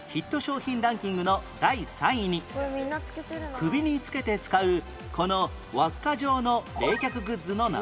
首につけて使うこの輪っか状の冷却グッズの名前は？